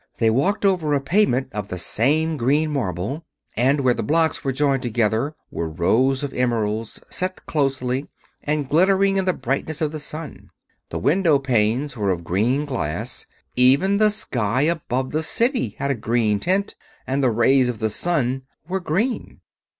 They walked over a pavement of the same green marble, and where the blocks were joined together were rows of emeralds, set closely, and glittering in the brightness of the sun. The window panes were of green glass; even the sky above the City had a green tint, and the rays of the sun were green.